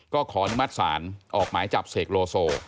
ก็ขออนุมัติศาลออกหมายจับเสกโลโซ